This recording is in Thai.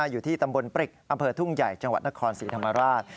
อยู่ที่ตำบลปริกอำเภอทุ่งใหญ่จังหวัดนครศรีธรรมราช